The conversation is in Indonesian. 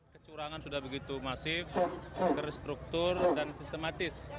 kecurangan sudah begitu masif terstruktur dan sistematis